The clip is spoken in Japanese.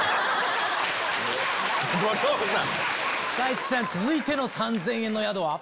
市來さん続いての３０００円の宿は？